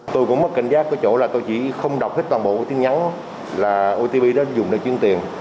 tôi cũng mất cảnh giác cái chỗ là tôi chỉ không đọc hết toàn bộ tin nhắn là otp đó dùng để chuyên tiền